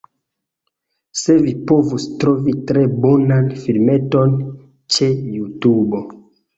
Se vi povus trovi tre bonan filmeton ĉe Jutubo